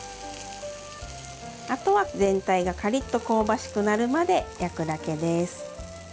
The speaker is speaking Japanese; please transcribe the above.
あとは全体がカリッと香ばしくなるまで焼くだけです。